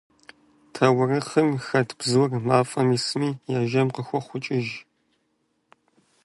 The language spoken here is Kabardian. Таурыхъым хэт бзур, мафӀэм исми, яжьэм къыхохъукӀыж.